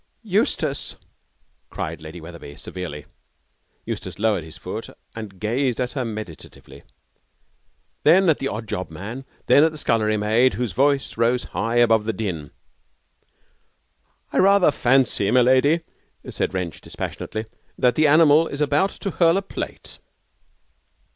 'Eustace!' cried Lady Wetherby, severely. Eustace lowered his foot and gazed at her meditatively, then at the odd job man, then at the scullery maid, whose voice rose high above the din. 'I rather fancy, m'lady,' said Wrench, dispassionately, 'that the animal is about to hurl a plate.'